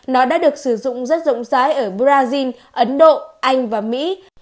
nó đã được sử dụng rất rộng rãi ở brazil ấn độ anh và mỹ